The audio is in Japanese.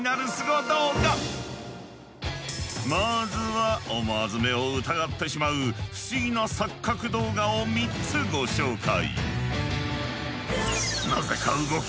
まずは思わず目を疑ってしまう不思議な錯覚動画を３つご紹介。